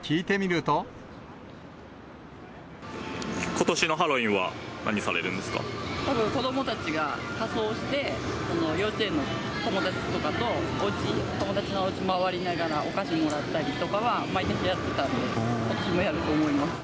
ことしのハロウィーンは、たぶん子どもたちが仮装して、幼稚園の友達とかと、おうち、友達のおうち回りながら、お菓子もらったりとかは、毎年やってたんで、ことしもやると思います。